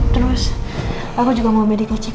terus aku juga mau medico check